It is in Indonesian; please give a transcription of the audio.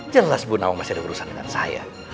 jelas bu nawang masih ada urusan dengan saya